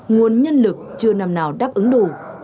nguồn nhân lực chưa nằm nào đáp ứng đủ